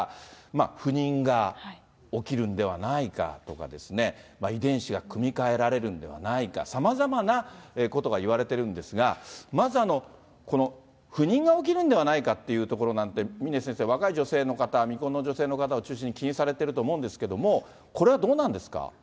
不妊が起きるんではないかとか、遺伝子が組み換えられるんではないか、さまざまなことがいわれてるんですが、まずこの不妊が起きるんではないかっていうところなんて、峰先生、若い女性の方、未婚の女性の方を中心に気にされてると思うんですけれども、これはどうなんですか？